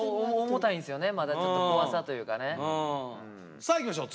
さあいきましょう。